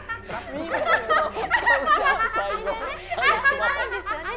みんなね知らせたいんですよね。